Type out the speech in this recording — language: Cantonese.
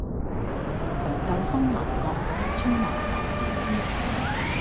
紅豆生南國，春來發幾枝，